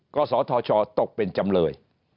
กศธชตกเป็นจำเลย